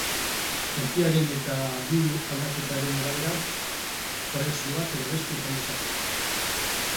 Tokiaren eta diru aldaketaren arabera, prezio bat edo beste izan dezakete.